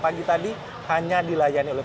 pagi tadi hanya dilayani oleh